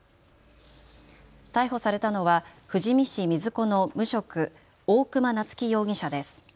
逮捕されたのは富士見市水子の無職、大熊菜月容疑者です。